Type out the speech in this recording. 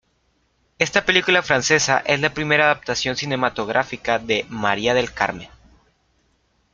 Esta película francesa es la primera adaptación cinematográfica de "María del Carmen".